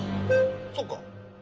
そっか！